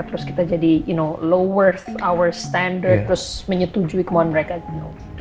terus kita jadi lower our standard terus menyetujui kemauan mereka